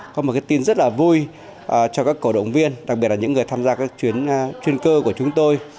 có một tin rất vui cho các cổ động viên đặc biệt là những người tham gia các chuyến cơ của chúng tôi